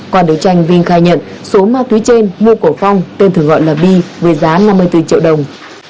qua đấu tranh vinh khai nhận số ma túy trên mua của phong tên thường gọi là bi với giá năm mươi bốn triệu đồng